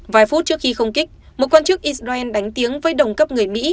vài phút trước khi không kích một quan chức israel đánh tiếng với đồng cấp người mỹ